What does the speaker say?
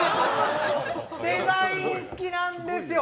デザイン好きなんですよ。